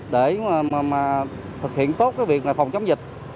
để mà thực hiện tốt cái việc là phòng chống dịch